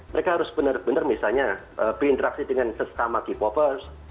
mereka harus benar benar misalnya berinteraksi dengan sesama k popers